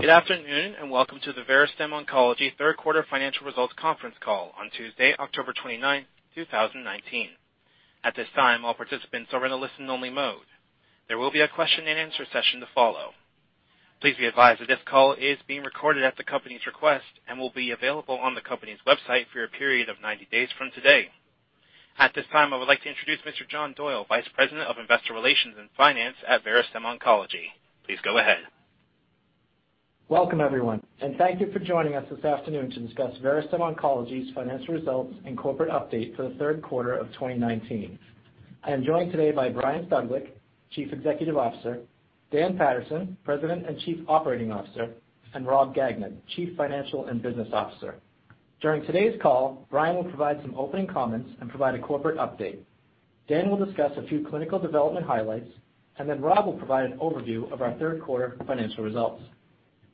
Good afternoon, and welcome to the Verastem Oncology third quarter financial results conference call on Tuesday, October 29, 2019. At this time, all participants are in a listen only mode. There will be a question and answer session to follow. Please be advised that this call is being recorded at the company's request and will be available on the company's website for a period of 90 days from today. At this time, I would like to introduce Mr. John Doyle, Vice President of Investor Relations and Finance at Verastem Oncology. Please go ahead. Welcome, everyone, and thank you for joining us this afternoon to discuss Verastem Oncology's financial results and corporate update for the third quarter of 2019. I am joined today by Brian Stuglik, Chief Executive Officer, Dan Paterson, President and Chief Operating Officer, and Robert Gagnon, Chief Financial and Business Officer. During today's call, Brian will provide some opening comments and provide a corporate update. Dan will discuss a few clinical development highlights, and then Rob will provide an overview of our third quarter financial results.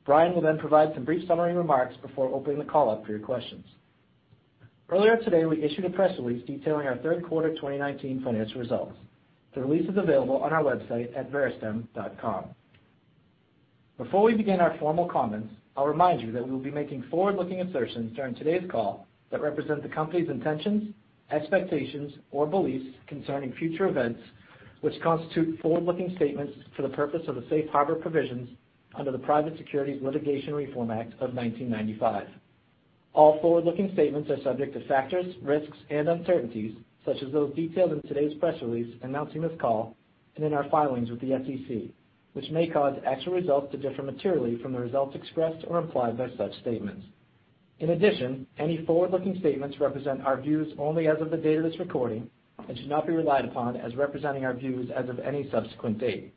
Brian will then provide some brief summary remarks before opening the call up for your questions. Earlier today, we issued a press release detailing our third quarter 2019 financial results. The release is available on our website at verastem.com. Before we begin our formal comments, I'll remind you that we will be making forward-looking assertions during today's call that represent the company's intentions, expectations, or beliefs concerning future events, which constitute forward-looking statements for the purpose of the safe harbor provisions under the Private Securities Litigation Reform Act of 1995. All forward-looking statements are subject to factors, risks, and uncertainties, such as those detailed in today's press release announcing this call and in our filings with the SEC, which may cause actual results to differ materially from the results expressed or implied by such statements. In addition, any forward-looking statements represent our views only as of the date of this recording and should not be relied upon as representing our views as of any subsequent date.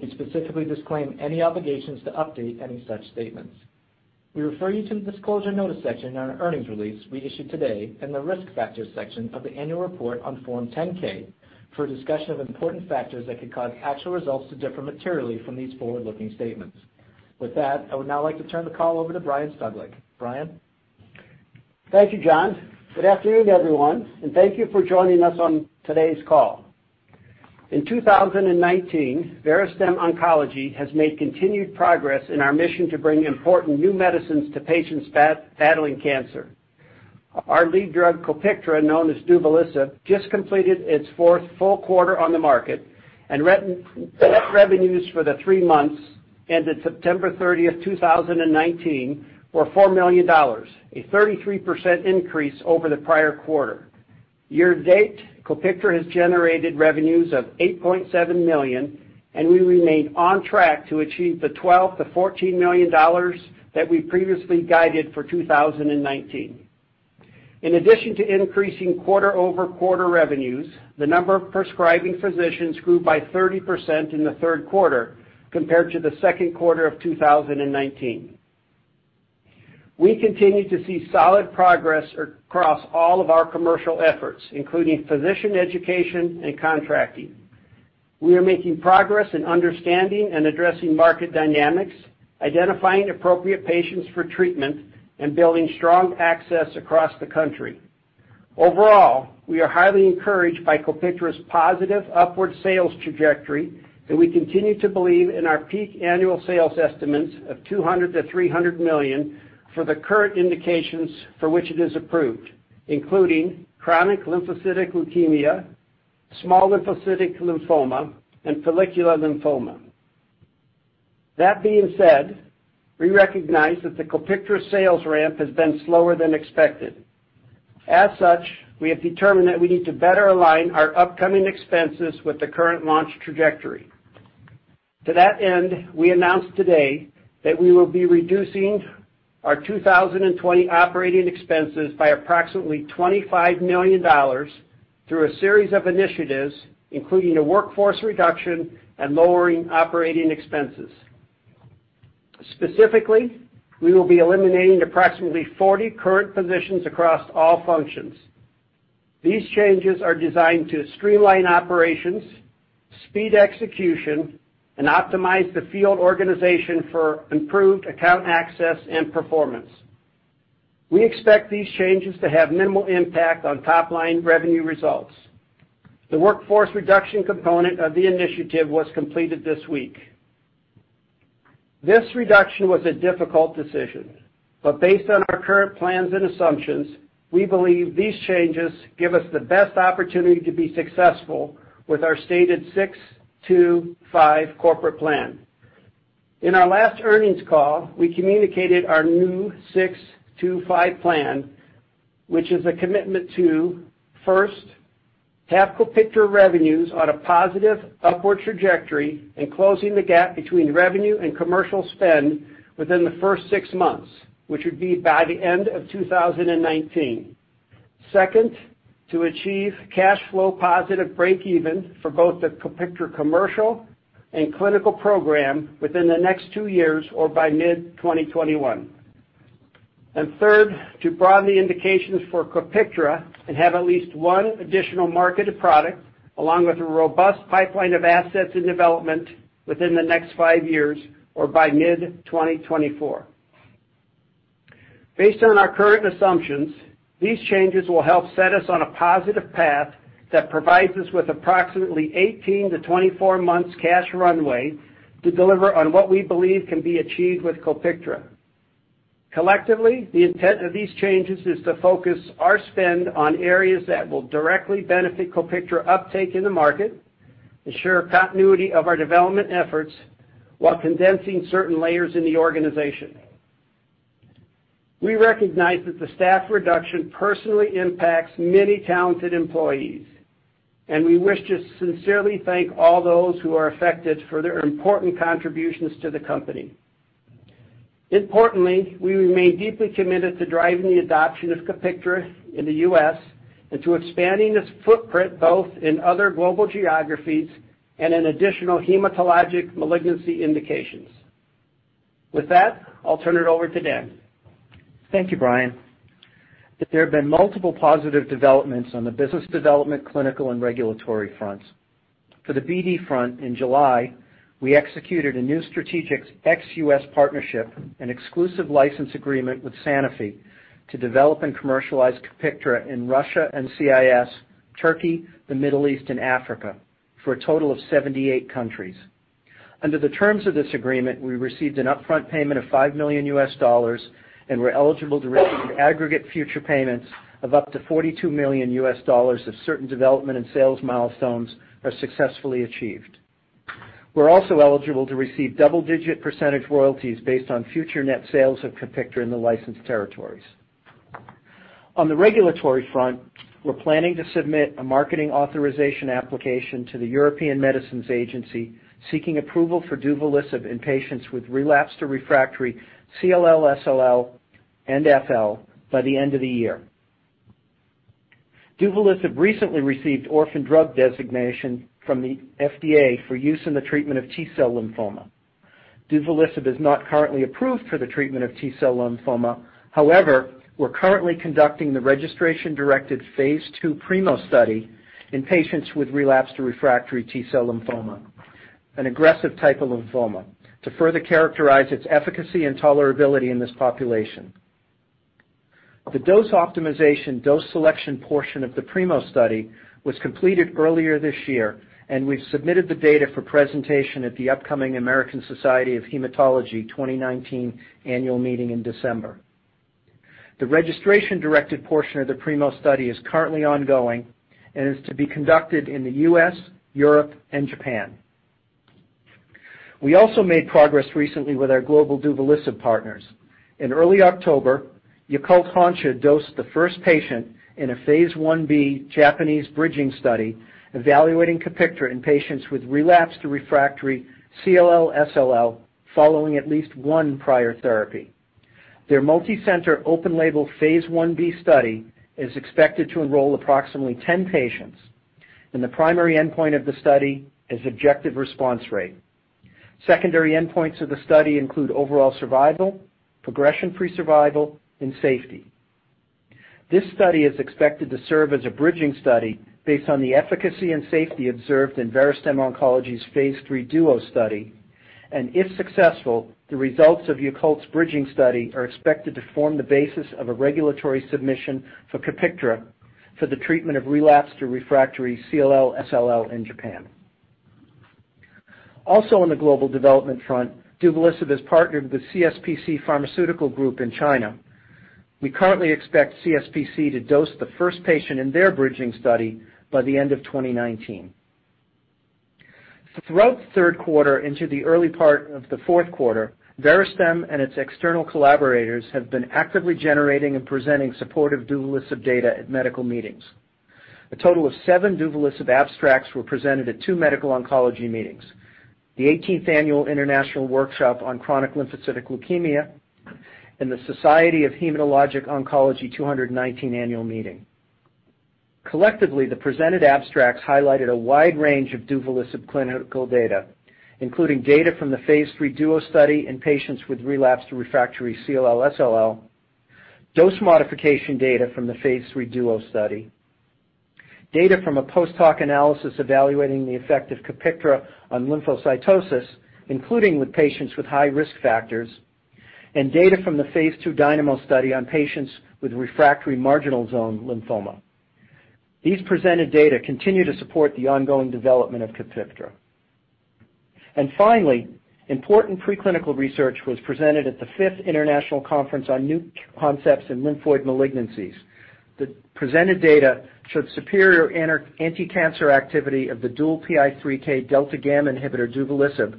We specifically disclaim any obligations to update any such statements. We refer you to the Disclosure Notice section in our earnings release we issued today and the Risk Factors section of the annual report on Form 10-K for a discussion of important factors that could cause actual results to differ materially from these forward-looking statements. With that, I would now like to turn the call over to Brian Stuglik. Brian? Thank you, John. Good afternoon, everyone, and thank you for joining us on today's call. In 2019, Verastem Oncology has made continued progress in our mission to bring important new medicines to patients battling cancer. Our lead drug, COPIKTRA, known as duvelisib, just completed its fourth full quarter on the market, and net revenues for the three months ended September 30, 2019, were $4 million, a 33% increase over the prior quarter. Year to date, COPIKTRA has generated revenues of $8.7 million, and we remain on track to achieve the $12 million-$14 million that we previously guided for 2019. In addition to increasing quarter-over-quarter revenues, the number of prescribing physicians grew by 30% in the third quarter compared to the second quarter of 2019. We continue to see solid progress across all of our commercial efforts, including physician education and contracting. We are making progress in understanding and addressing market dynamics, identifying appropriate patients for treatment, and building strong access across the country. Overall, we are highly encouraged by COPIKTRA's positive upward sales trajectory, and we continue to believe in our peak annual sales estimates of $200 million-$300 million for the current indications for which it is approved, including chronic lymphocytic leukemia, small lymphocytic lymphoma, and follicular lymphoma. That being said, we recognize that the COPIKTRA sales ramp has been slower than expected. As such, we have determined that we need to better align our upcoming expenses with the current launch trajectory. To that end, we announced today that we will be reducing our 2020 operating expenses by approximately $25 million through a series of initiatives, including a workforce reduction and lowering operating expenses. Specifically, we will be eliminating approximately 40 current positions across all functions. These changes are designed to streamline operations, speed execution, and optimize the field organization for improved account access and performance. We expect these changes to have minimal impact on top-line revenue results. The workforce reduction component of the initiative was completed this week. This reduction was a difficult decision, but based on our current plans and assumptions, we believe these changes give us the best opportunity to be successful with our stated 6-2-5 corporate plan. In our last earnings call we communicated our new 6-2-5 plan, which is a commitment to, first, have COPIKTRA revenues on a positive upward trajectory and closing the gap between revenue and commercial spend within the first six months, which would be by the end of 2019. Second, to achieve cash flow positive breakeven for both the COPIKTRA commercial and clinical program within the next two years or by mid-2021. Third, to broaden the indications for COPIKTRA and have at least one additional marketed product along with a robust pipeline of assets and development within the next five years or by mid-2024. Based on our current assumptions, these changes will help set us on a positive path that provides us with approximately 18 to 24 months cash runway to deliver on what we believe can be achieved with COPIKTRA. Collectively, the intent of these changes is to focus our spend on areas that will directly benefit COPIKTRA uptake in the market, ensure continuity of our development efforts while condensing certain layers in the organization. We recognize that the staff reduction personally impacts many talented employees, and we wish to sincerely thank all those who are affected for their important contributions to the company. Importantly, we remain deeply committed to driving the adoption of COPIKTRA in the U.S. and to expanding this footprint both in other global geographies and in additional hematologic malignancy indications. With that, I'll turn it over to Dan. Thank you, Brian. There have been multiple positive developments on the business development, clinical, and regulatory fronts. For the BD front in July, we executed a new strategic ex-U.S. partnership and exclusive license agreement with Sanofi to develop and commercialize COPIKTRA in Russia and CIS, Turkey, the Middle East, and Africa for a total of 78 countries. Under the terms of this agreement, we received an upfront payment of $5 million and we're eligible to receive aggregate future payments of up to $42 million if certain development and sales milestones are successfully achieved. We're also eligible to receive double-digit % royalties based on future net sales of COPIKTRA in the licensed territories. On the regulatory front, we're planning to submit a marketing authorization application to the European Medicines Agency, seeking approval for duvelisib in patients with relapsed or refractory CLL, SLL, and FL by the end of the year. Duvelisib recently received orphan drug designation from the FDA for use in the treatment of T-cell lymphoma. Duvelisib is not currently approved for the treatment of T-cell lymphoma. However, we're currently conducting the registration-directed Phase II PRIMO study in patients with relapsed or refractory T-cell lymphoma, an aggressive type of lymphoma, to further characterize its efficacy and tolerability in this population. The dose optimization, dose selection portion of the PRIMO study was completed earlier this year, and we've submitted the data for presentation at the upcoming American Society of Hematology 2019 annual meeting in December. The registration-directed portion of the PRIMO study is currently ongoing and is to be conducted in the U.S., Europe, and Japan. We also made progress recently with our global duvelisib partners. In early October, Yakult Honsha dosed the first patient in a phase I-B Japanese bridging study evaluating COPIKTRA in patients with relapsed or refractory CLL, SLL following at least one prior therapy. Their multi-center open label phase I-B study is expected to enroll approximately 10 patients, and the primary endpoint of the study is objective response rate. Secondary endpoints of the study include overall survival, progression-free survival, and safety. This study is expected to serve as a bridging study based on the efficacy and safety observed in Verastem Oncology's phase III DUO study. If successful, the results of Yakult's bridging study are expected to form the basis of a regulatory submission for COPIKTRA for the treatment of relapsed or refractory CLL, SLL in Japan. Also, on the global development front, duvelisib has partnered with CSPC Pharmaceutical Group in China. We currently expect CSPC to dose the first patient in their bridging study by the end of 2019. Throughout the third quarter into the early part of the fourth quarter, Verastem and its external collaborators have been actively generating and presenting supportive duvelisib data at medical meetings. A total of seven duvelisib abstracts were presented at two medical oncology meetings, the 18th Annual International Workshop on Chronic Lymphocytic Leukemia, and the Society of Hematologic Oncology 2019 annual meeting. Collectively, the presented abstracts highlighted a wide range of duvelisib clinical data, including data from the phase III DUO study in patients with relapsed/refractory CLL, SLL, dose modification data from the phase III DUO study, data from a post hoc analysis evaluating the effect of COPIKTRA on lymphocytosis, including with patients with high-risk factors, and data from the phase II DYNAMO study on patients with refractory marginal zone lymphoma. These presented data continue to support the ongoing development of COPIKTRA. Important preclinical research was presented at the Fifth International Conference on New Concepts in Lymphoid Malignancies. The presented data showed superior anticancer activity of the dual PI3K-delta gamma inhibitor duvelisib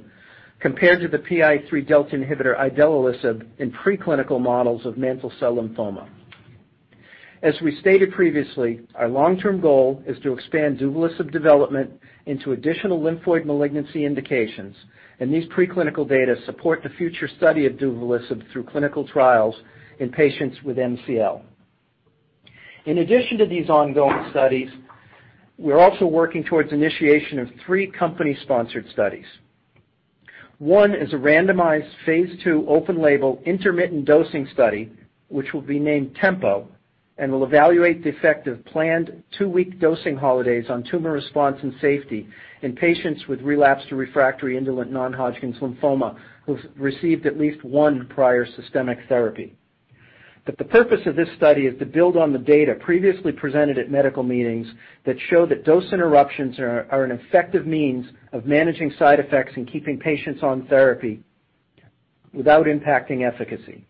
compared to the PI3K-delta inhibitor idelalisib in preclinical models of mantle cell lymphoma. As we stated previously, our long-term goal is to expand duvelisib development into additional lymphoid malignancy indications, and these preclinical data support the future study of duvelisib through clinical trials in patients with MCL. In addition to these ongoing studies, we're also working towards initiation of three company-sponsored studies. One is a randomized phase II open label intermittent dosing study, which will be named TEMPO and will evaluate the effect of planned two-week dosing holidays on tumor response and safety in patients with relapsed or refractory indolent non-Hodgkin's lymphoma who've received at least one prior systemic therapy. The purpose of this study is to build on the data previously presented at medical meetings that show that dose interruptions are an effective means of managing side effects and keeping patients on therapy without impacting efficacy.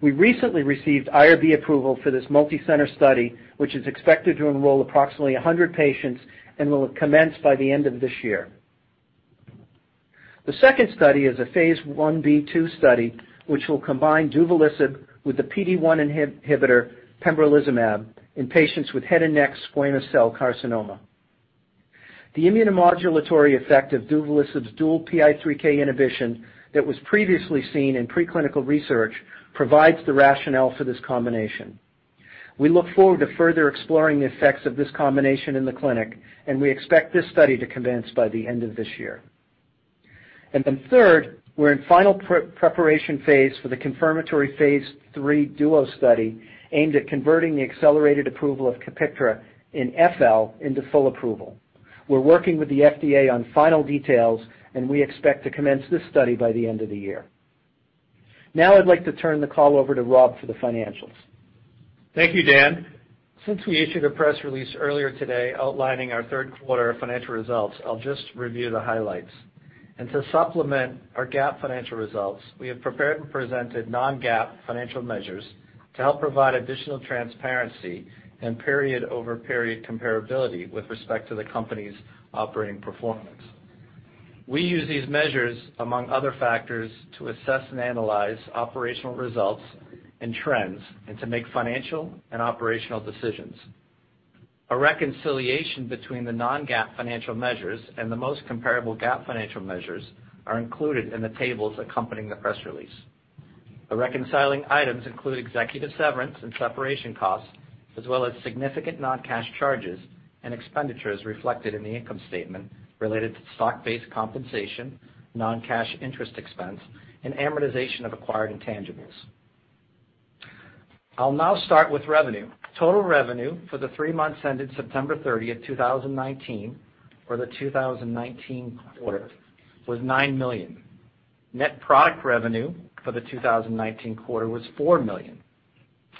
We recently received IRB approval for this multi-center study, which is expected to enroll approximately 100 patients and will commence by the end of this year. The second study is a Phase I-B/II study, which will combine duvelisib with the PD-1 inhibitor pembrolizumab in patients with head and neck squamous cell carcinoma. The immunomodulatory effect of duvelisib's dual PI3K inhibition that was previously seen in pre-clinical research provides the rationale for this combination. We look forward to further exploring the effects of this combination in the clinic, and we expect this study to commence by the end of this year. Third, we're in final preparation phase for the confirmatory Phase III DUO study aimed at converting the accelerated approval of COPIKTRA in FL into full approval. We're working with the FDA on final details, and we expect to commence this study by the end of the year. Now I'd like to turn the call over to Rob for the financials. Thank you, Dan. Since we issued a press release earlier today outlining our third quarter financial results, I'll just review the highlights. To supplement our GAAP financial results, we have prepared and presented non-GAAP financial measures to help provide additional transparency and period-over-period comparability with respect to the company's operating performance. We use these measures, among other factors, to assess and analyze operational results and trends, and to make financial and operational decisions. A reconciliation between the non-GAAP financial measures and the most comparable GAAP financial measures are included in the tables accompanying the press release. The reconciling items include executive severance and separation costs, as well as significant non-cash charges and expenditures reflected in the income statement related to stock-based compensation, non-cash interest expense, and amortization of acquired intangibles. I'll now start with revenue. Total revenue for the three months ended September 30, 2019, or the 2019 quarter, was $9 million. Net product revenue for the 2019 quarter was $4 million.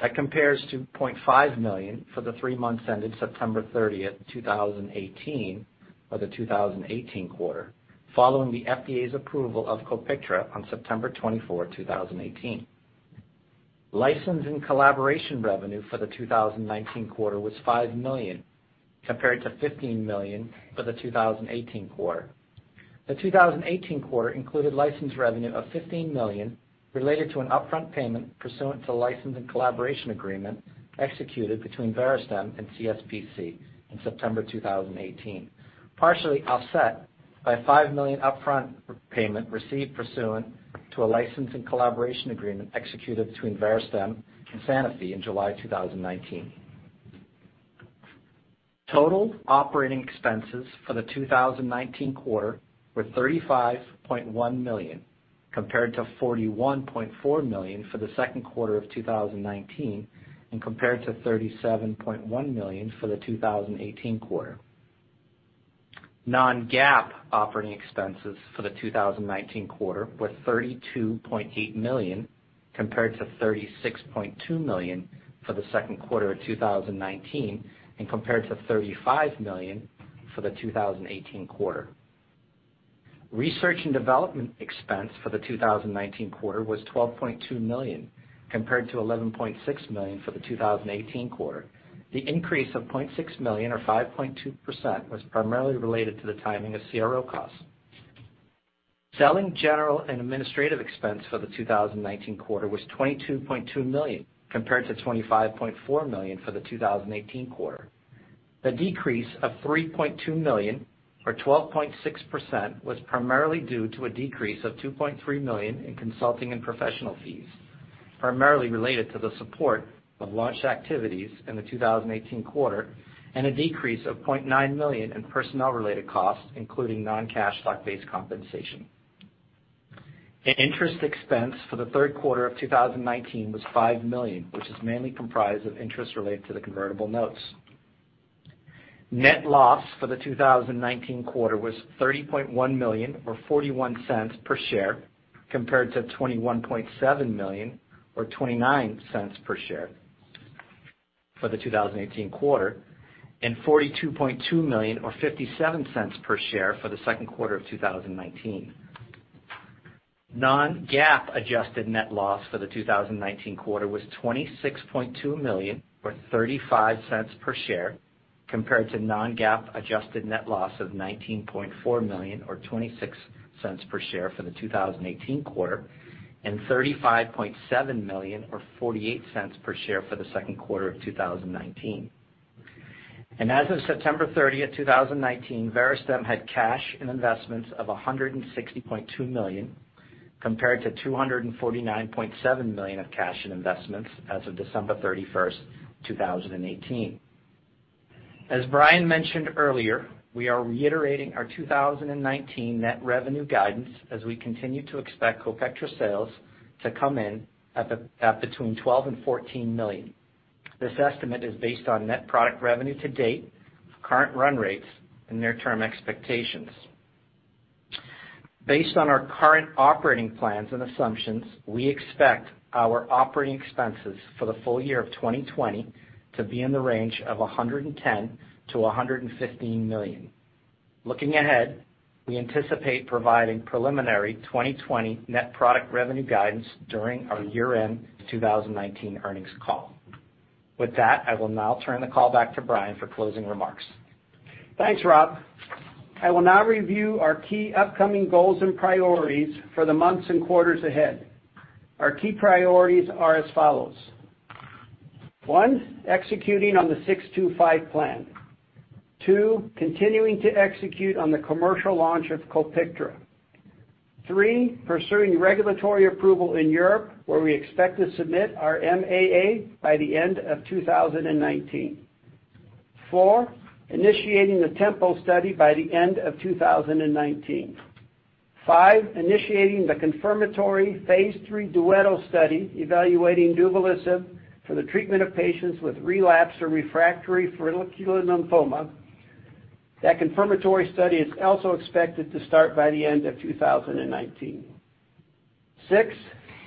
That compares to $0.5 million for the three months ended September 30, 2018, or the 2018 quarter, following the FDA's approval of COPIKTRA on September 24, 2018. License and collaboration revenue for the 2019 quarter was $5 million, compared to $15 million for the 2018 quarter. The 2018 quarter included license revenue of $15 million related to an upfront payment pursuant to a license and collaboration agreement executed between Verastem and CSPC in September 2018, partially offset by a $5 million upfront payment received pursuant to a license and collaboration agreement executed between Verastem and Sanofi in July 2019. Total operating expenses for the 2019 quarter were $35.1 million, compared to $41.4 million for the second quarter of 2019, and compared to $37.1 million for the 2018 quarter. Non-GAAP operating expenses for the 2019 quarter were $32.8 million, compared to $36.2 million for the second quarter of 2019, and compared to $35 million for the 2018 quarter. Research and development expense for the 2019 quarter was $12.2 million, compared to $11.6 million for the 2018 quarter. The increase of $0.6 million or 5.2% was primarily related to the timing of CRO costs. Selling, general, and administrative expense for the 2019 quarter was $22.2 million, compared to $25.4 million for the 2018 quarter. The decrease of $3.2 million or 12.6% was primarily due to a decrease of $2.3 million in consulting and professional fees, primarily related to the support of launch activities in the 2018 quarter, and a decrease of $0.9 million in personnel-related costs, including non-cash stock-based compensation. The interest expense for the third quarter of 2019 was $5 million, which is mainly comprised of interest related to the convertible notes. Net loss for the 2019 quarter was $30.1 million or $0.41 per share, compared to $21.7 million or $0.29 per share for the 2018 quarter, and $42.2 million or $0.57 per share for the second quarter of 2019. Non-GAAP adjusted net loss for the 2019 quarter was $26.2 million or $0.35 per share, compared to non-GAAP adjusted net loss of $19.4 million or $0.26 per share for the 2018 quarter, and $35.7 million or $0.48 per share for the second quarter of 2019. As of September 30, 2019, Verastem had cash and investments of $160.2 million, compared to $249.7 million of cash and investments as of December 31, 2018. As Brian mentioned earlier, we are reiterating our 2019 net revenue guidance as we continue to expect COPIKTRA sales to come in at between $12 million and $14 million. This estimate is based on net product revenue to date, current run rates, and near-term expectations. Based on our current operating plans and assumptions, we expect our operating expenses for the full year of 2020 to be in the range of $110 million-$115 million. Looking ahead, we anticipate providing preliminary 2020 net product revenue guidance during our year-end 2019 earnings call. With that, I will now turn the call back to Brian for closing remarks. Thanks, Rob. I will now review our key upcoming goals and priorities for the months and quarters ahead. Our key priorities are as follows. 1, executing on the 625 plan. 2, continuing to execute on the commercial launch of COPIKTRA. 3, pursuing regulatory approval in Europe, where we expect to submit our MAA by the end of 2019. 4, initiating the TEMPO study by the end of 2019. 5, initiating the confirmatory phase III DUO study evaluating duvelisib for the treatment of patients with relapsed or refractory follicular lymphoma. That confirmatory study is also expected to start by the end of 2019. 6,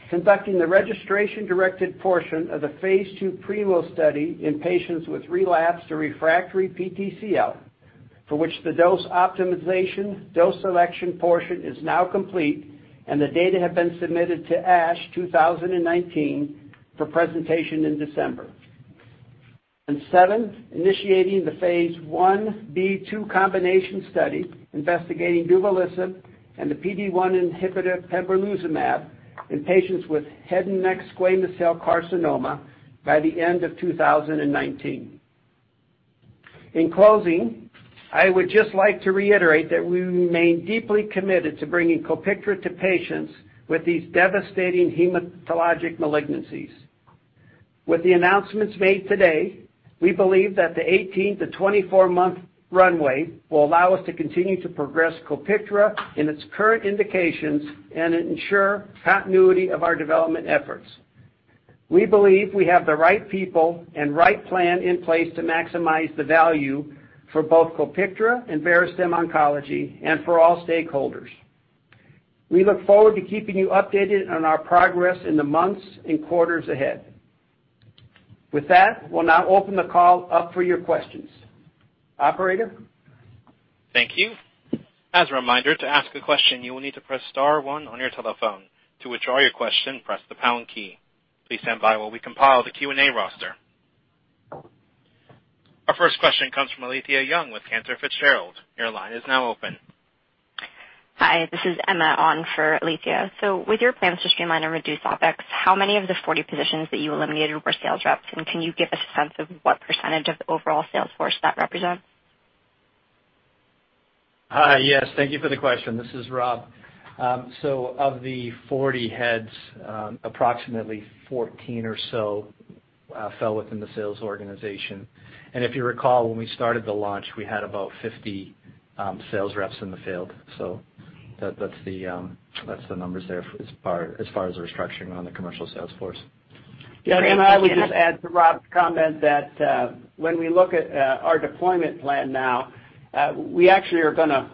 conducting the registration-directed portion of the phase II PRIMO study in patients with relapsed or refractory PTCL, for which the dose optimization, dose selection portion is now complete, and the data have been submitted to ASH 2019 for presentation in December. Seven, initiating the phase I-B/II combination study investigating duvelisib and the PD-1 inhibitor pembrolizumab in patients with head and neck squamous cell carcinoma by the end of 2019. In closing, I would just like to reiterate that we remain deeply committed to bringing COPIKTRA to patients with these devastating hematologic malignancies. With the announcements made today, we believe that the 18- to 24-month runway will allow us to continue to progress COPIKTRA in its current indications and ensure continuity of our development efforts. We believe we have the right people and right plan in place to maximize the value for both COPIKTRA and Verastem Oncology and for all stakeholders. We look forward to keeping you updated on our progress in the months and quarters ahead. With that, we'll now open the call up for your questions. Operator? Thank you. As a reminder, to ask a question, you will need to press star one on your telephone. To withdraw your question, press the pound key. Please stand by while we compile the Q&A roster. Our first question comes from Alethia Young with Cantor Fitzgerald. Your line is now open. Hi, this is Emma on for Alethia. With your plans to streamline and reduce OpEx, how many of the 40 positions that you eliminated were sales reps, and can you give us a sense of what percentage of the overall sales force that represents? Hi. Yes, thank you for the question. This is Rob. Of the 40 heads, approximately 14 or so fell within the sales organization. If you recall, when we started the launch, we had about 50 sales reps in the field. That's the numbers there as far as restructuring on the commercial sales force. Yeah, Emma, I would just add to Rob's comment that when we look at our deployment plan now, we actually are going to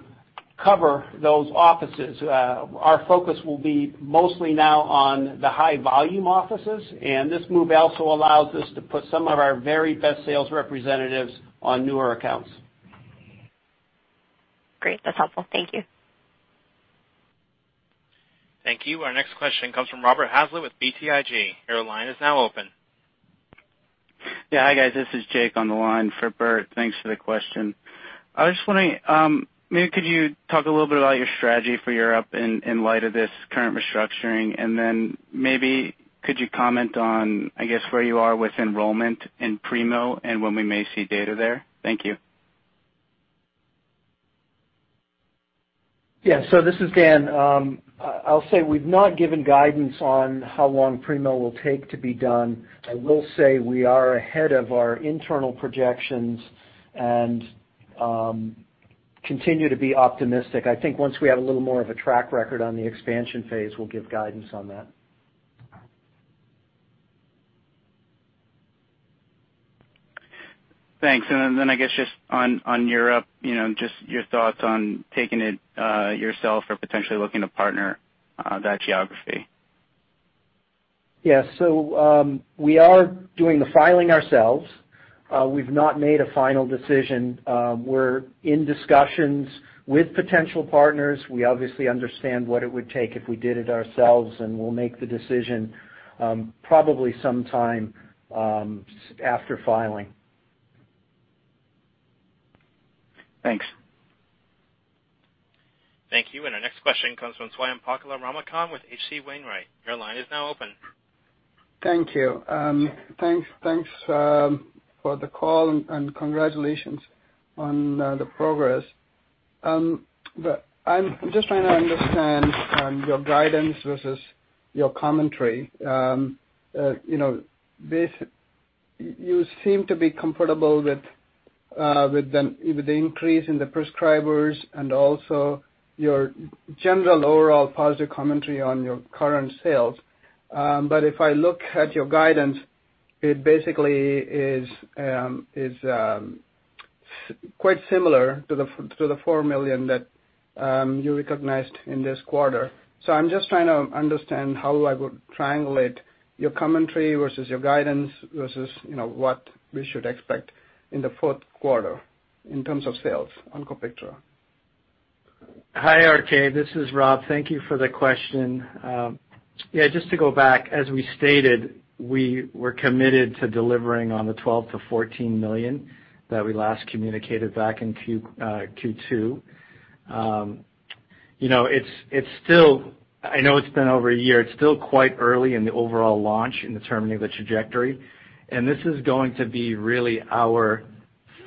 cover those offices. Our focus will be mostly now on the high-volume offices. This move also allows us to put some of our very best sales representatives on newer accounts. Great. That's helpful. Thank you. Thank you. Our next question comes from Robert Hazlett with BTIG. Your line is now open. Yeah. Hi, guys. This is Jake on the line for Bert. Thanks for the question. I was just wondering, maybe could you talk a little bit about your strategy for Europe in light of this current restructuring? Then maybe could you comment on, I guess, where you are with enrollment in PRIMO and when we may see data there? Thank you. This is Dan. I'll say we've not given guidance on how long PRIMO will take to be done. I will say we are ahead of our internal projections and continue to be optimistic. I think once we have a little more of a track record on the expansion phase, we'll give guidance on that. Thanks. I guess just on Europe, just your thoughts on taking it yourself or potentially looking to partner that geography? Yeah. We are doing the filing ourselves. We've not made a final decision. We're in discussions with potential partners. We obviously understand what it would take if we did it ourselves, and we'll make the decision probably sometime after filing. Thanks. Thank you. Our next question comes from Swayampakula Ramakanth with H.C. Wainwright. Your line is now open. Thank you. Thanks for the call, and congratulations on the progress. I'm just trying to understand your guidance versus your commentary. You seem to be comfortable with the increase in the prescribers and also your general overall positive commentary on your current sales. If I look at your guidance, it basically is quite similar to the $4 million that you recognized in this quarter. I'm just trying to understand how I would triangulate your commentary versus your guidance versus what we should expect in the fourth quarter in terms of sales on COPIKTRA. Hi, RK. This is Rob. Thank you for the question. Yeah, just to go back, as we stated, we were committed to delivering on the $12 million-$14 million that we last communicated back in Q2. I know it's been over a year, it's still quite early in the overall launch in determining the trajectory, and this is going to be really our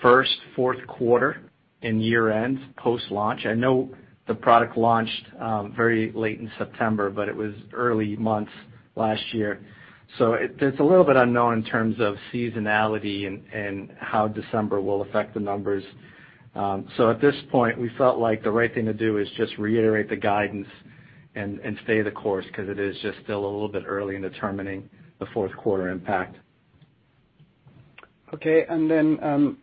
first fourth quarter and year-end post-launch. I know the product launched very late in September. It was early months last year. It's a little bit unknown in terms of seasonality and how December will affect the numbers. At this point, we felt like the right thing to do is just reiterate the guidance and stay the course, because it is just still a little bit early in determining the fourth quarter impact. Okay, another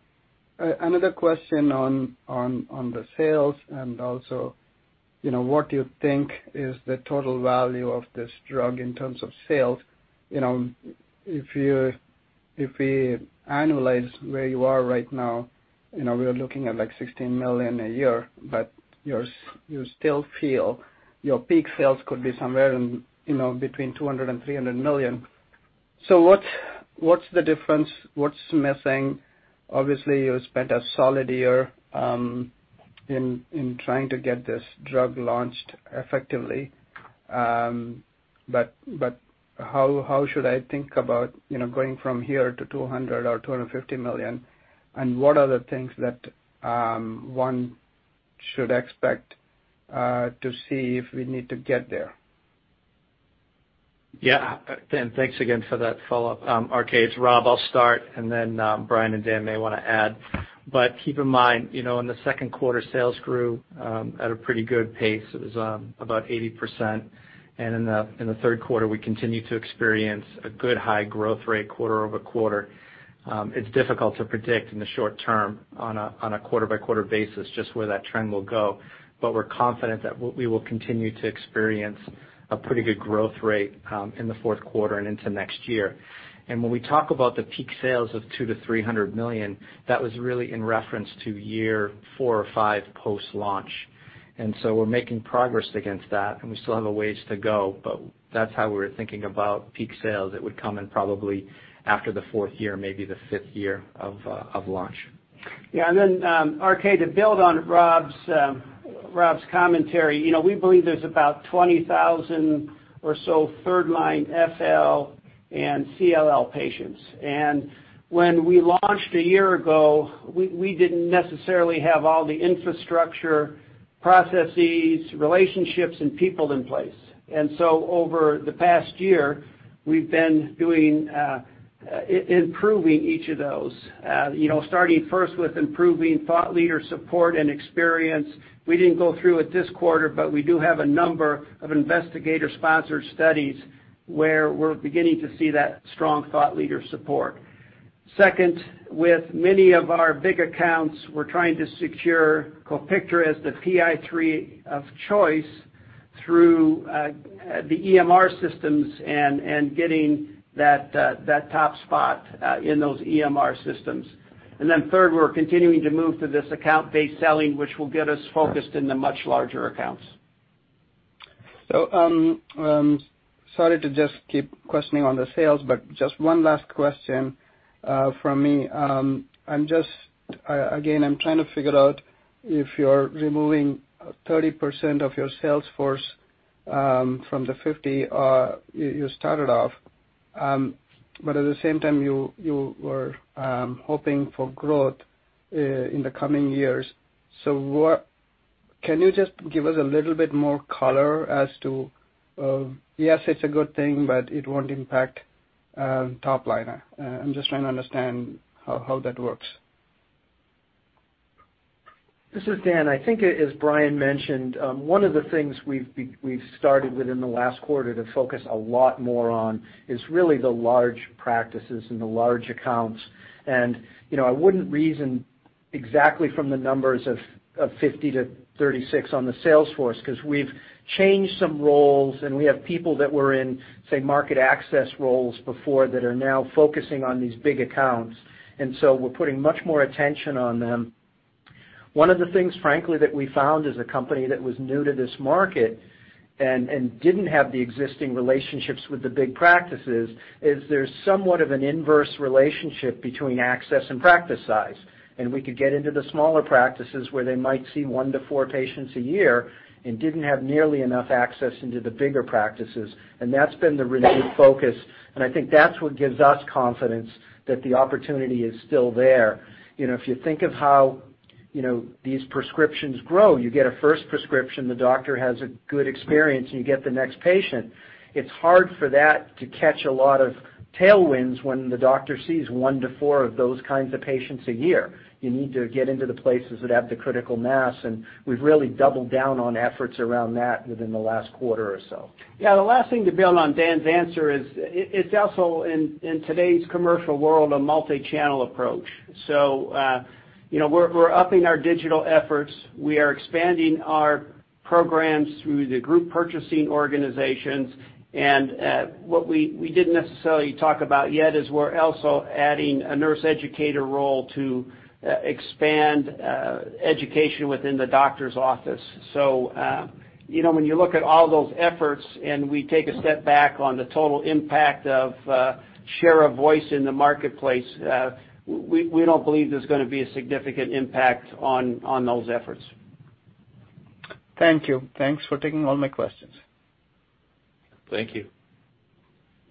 question on the sales and also, what you think is the total value of this drug in terms of sales. If we annualize where you are right now, we are looking at $16 million a year, but you still feel your peak sales could be somewhere between $200 million and $300 million. What's the difference? What's missing? Obviously, you spent a solid year in trying to get this drug launched effectively. How should I think about going from here to $200 million or $250 million, and what are the things that one should expect to see if we need to get there? Yeah. Dan, thanks again for that follow-up. RK, it's Rob. I'll start, and then Brian and Dan may want to add. Keep in mind, in the second quarter, sales grew at a pretty good pace. It was about 80%. In the third quarter, we continued to experience a good high growth rate quarter-over-quarter. It's difficult to predict in the short term on a quarter-by-quarter basis just where that trend will go. We're confident that we will continue to experience a pretty good growth rate in the fourth quarter and into next year. When we talk about the peak sales of $200 million-$300 million, that was really in reference to year four or five post-launch. We're making progress against that, and we still have a ways to go, but that's how we're thinking about peak sales. It would come in probably after the fourth year, maybe the fifth year of launch. Yeah. RK, to build on Rob's commentary, we believe there's about 20,000 or so third line FL and CLL patients. When we launched a year ago, we didn't necessarily have all the infrastructure, processes, relationships, and people in place. Over the past year, we've been improving each of those, starting first with improving thought leader support and experience. We didn't go through it this quarter, we do have a number of investigator-sponsored studies where we're beginning to see that strong thought leader support. Second, with many of our big accounts, we're trying to secure COPIKTRA as the PI3K of choice through the EMR systems and getting that top spot in those EMR systems. Third, we're continuing to move to this account-based selling, which will get us focused in the much larger accounts. Sorry to just keep questioning on the sales, but just one last question from me. Again, I'm trying to figure out if you're removing 30% of your sales force from the 50 you started off, but at the same time, you were hoping for growth in the coming years. Can you just give us a little bit more color as to, yes, it's a good thing, but it won't impact top line? I'm just trying to understand how that works? This is Dan. I think, as Brian mentioned, one of the things we've started within the last quarter to focus a lot more on is really the large practices and the large accounts. I wouldn't reason exactly from the numbers of 50 to 36 on the sales force, because we've changed some roles, and we have people that were in, say, market access roles before that are now focusing on these big accounts. We're putting much more attention on them. One of the things, frankly, that we found as a company that was new to this market and didn't have the existing relationships with the big practices, is there's somewhat of an inverse relationship between access and practice size. We could get into the smaller practices where they might see one to four patients a year and didn't have nearly enough access into the bigger practices. That's been the renewed focus. I think that's what gives us confidence that the opportunity is still there. If you think of how. these prescriptions grow. You get a first prescription, the doctor has a good experience, and you get the next patient. It's hard for that to catch a lot of tailwinds when the doctor sees one to four of those kinds of patients a year. You need to get into the places that have the critical mass, and we've really doubled down on efforts around that within the last quarter or so. Yeah. The last thing to build on Dan's answer is, it's also in today's commercial world, a multi-channel approach. We're upping our digital efforts. We are expanding our programs through the group purchasing organizations. What we didn't necessarily talk about yet is we're also adding a nurse educator role to expand education within the doctor's office. When you look at all those efforts, and we take a step back on the total impact of share of voice in the marketplace, we don't believe there's going to be a significant impact on those efforts. Thank you. Thanks for taking all my questions. Thank you.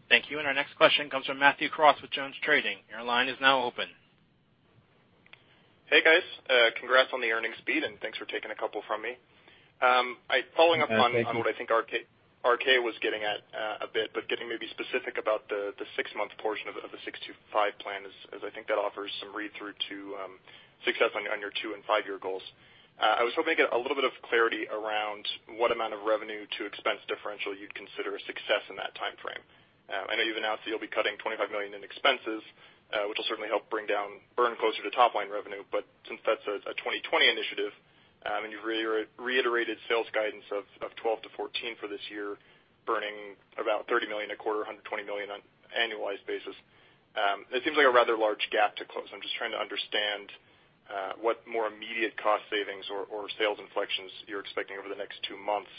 Thank you. Our next question comes from Matthew Cross with JonesTrading. Your line is now open. Hey, guys. Congrats on the earnings beat, and thanks for taking a couple from me. Thank you. Following up on what I think RK was getting at a bit, getting maybe specific about the six-month portion of the 625 plan, as I think that offers some read-through to success on your two and five-year goals. I was hoping to get a little bit of clarity around what amount of revenue to expense differential you'd consider a success in that timeframe. I know you've announced that you'll be cutting $25 million in expenses, which will certainly help bring down burn closer to top-line revenue. Since that's a 2020 initiative, and you've reiterated sales guidance of $12 million to $14 million for this year, burning about $30 million a quarter, $120 million on an annualized basis, it seems like a rather large gap to close. I'm just trying to understand what more immediate cost savings or sales inflections you're expecting over the next two months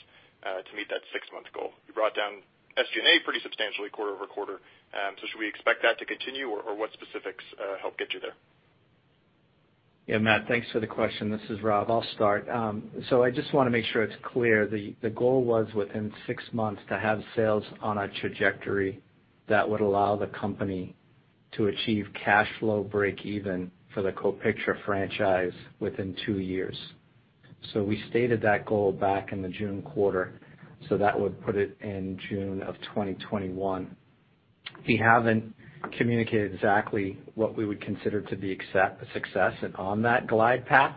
to meet that six-month goal. You brought down SG&A pretty substantially quarter-over-quarter. Should we expect that to continue, or what specifics help get you there? Matt, thanks for the question. This is Rob. I'll start. I just want to make sure it's clear. The goal was within six months to have sales on a trajectory that would allow the company to achieve cash flow break even for the COPIKTRA franchise within two years. We stated that goal back in the June quarter, so that would put it in June of 2021. We haven't communicated exactly what we would consider to be a success on that glide path.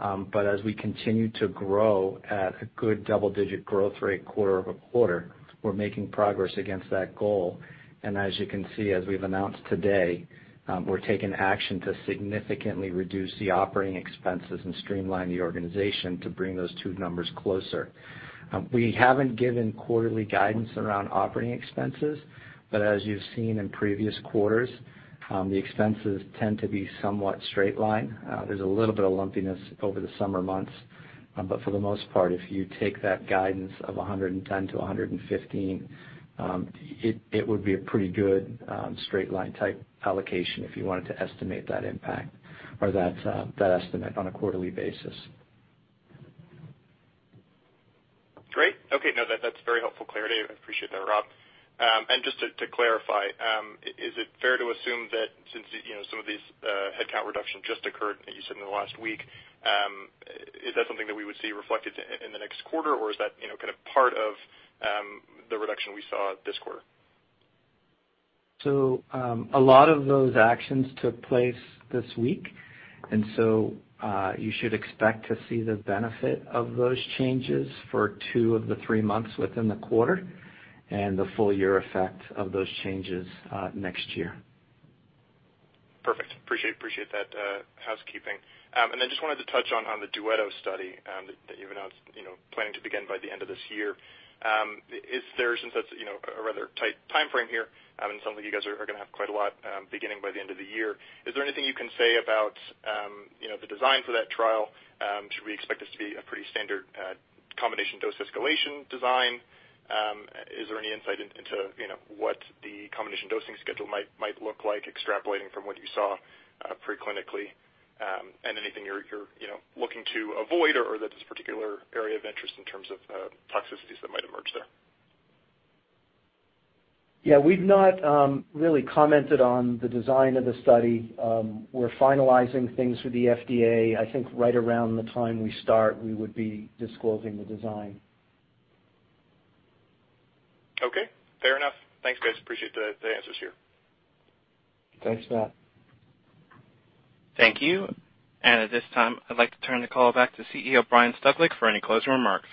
As we continue to grow at a good double-digit growth rate quarter-over-quarter, we're making progress against that goal. As you can see, as we've announced today, we're taking action to significantly reduce the operating expenses and streamline the organization to bring those two numbers closer. We haven't given quarterly guidance around operating expenses, but as you've seen in previous quarters, the expenses tend to be somewhat straight line. There's a little bit of lumpiness over the summer months. For the most part, if you take that guidance of $110-$115, it would be a pretty good straight line type allocation if you wanted to estimate that impact or that estimate on a quarterly basis. Great. Okay. No, that's very helpful clarity. I appreciate that, Rob. Just to clarify, is it fair to assume that since some of these headcount reduction just occurred, you said in the last week, is that something that we would see reflected in the next quarter, or is that part of the reduction we saw this quarter? A lot of those actions took place this week, and so you should expect to see the benefit of those changes for two of the three months within the quarter and the full-year effect of those changes next year. Perfect. Appreciate that housekeeping. I just wanted to touch on the DUO study that you've announced planning to begin by the end of this year. Since that's a rather tight timeframe here and it sounds like you guys are going to have quite a lot beginning by the end of the year, is there anything you can say about the design for that trial? Should we expect this to be a pretty standard combination dose escalation design? Is there any insight into what the combination dosing schedule might look like extrapolating from what you saw pre-clinically? Anything you're looking to avoid or that is a particular area of interest in terms of toxicities that might emerge there? Yeah. We've not really commented on the design of the study. We're finalizing things with the FDA. I think right around the time we start, we would be disclosing the design. Okay. Fair enough. Thanks, guys. Appreciate the answers here. Thanks, Matt. Thank you. At this time, I'd like to turn the call back to CEO Brian Stuglik for any closing remarks.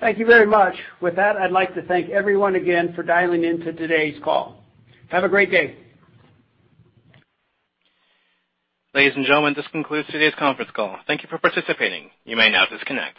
Thank you very much. With that, I'd like to thank everyone again for dialing in to today's call. Have a great day. Ladies and gentlemen, this concludes today's conference call. Thank you for participating. You may now disconnect.